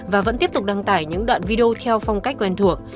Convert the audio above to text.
và vẫn tiếp tục đăng tải những đoạn video theo phong cách quen thuộc